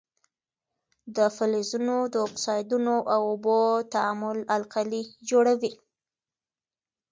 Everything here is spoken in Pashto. د فلزونو د اکسایدونو او اوبو تعامل القلي جوړوي.